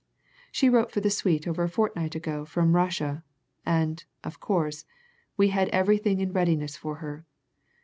She wrote for the suite over a fortnight ago from Russia, and, of course, we had everything in readiness for her.